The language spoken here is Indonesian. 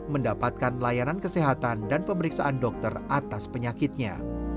mendapatkan layanan kesehatan dan pemeriksaan dokter atas penyakitnya